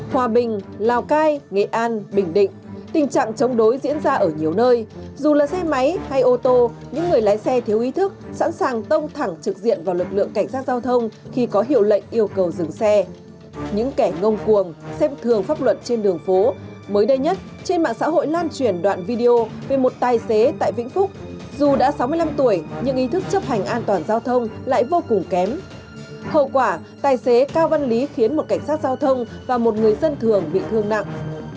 hậu quả tài xế cao văn lý khiến một cảnh sát giao thông và một người dân thường bị thương nặng